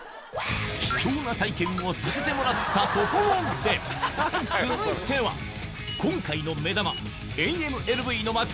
貴重な体験をさせてもらったところで続いては今回の目玉ＡＭＬＶの待つ